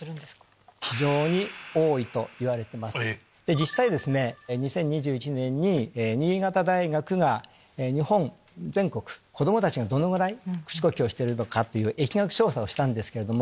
実際２０２１年に新潟大学が日本全国子供たちがどのぐらい口呼吸をしてるか疫学調査をしたんですけれども。